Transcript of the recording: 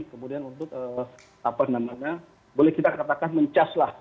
kemudian untuk apa namanya boleh kita katakan mencas lah